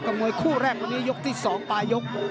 มวยคู่แรกวันนี้ยกที่๒ปลายยก